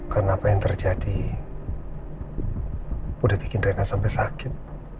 karena apa yang terjadi udah bikin rena sampai sakit